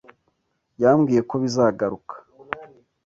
Yambwiye ko bizagaruka.